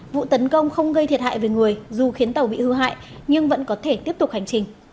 vụ tấn công không gây thiệt hại về người dù khiến tàu bị hư hại nhưng vẫn có thể tiếp tục hành trình